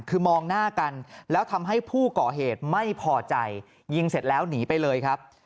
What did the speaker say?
คือมองหน้ากันแล้วทำให้ผู้ก่อเหตุไม่พอใจยิงเสร็จแล้วหนีไปเลยครับ